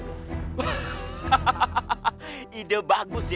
itu tidak cuma api zat tersebut